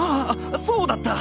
そうだった！！